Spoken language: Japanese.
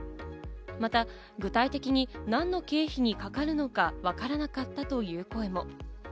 また、具体的に何の経費にかかるのかわからなかったという声も。